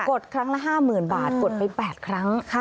ดครั้งละ๕๐๐๐บาทกดไป๘ครั้ง